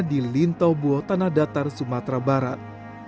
di lintobuo tanah datar sumatera barat